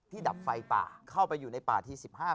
ดับไฟป่าเข้าไปอยู่ในป่าที๑๕